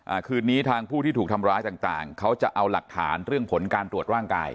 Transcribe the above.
คืนนี้ทางผู้ที่ถูกทำร้ายต่างต่างเขาจะเอาหลักฐานเรื่องผลการตรวจร่างกาย